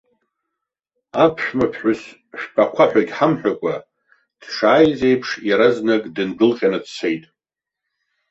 Аԥшәмаԥҳәыс, шәтәақәа ҳәагьы ҳамҳәакәа, дшааиз еиԥш, иаразнак дындәылҟьаны дцеит.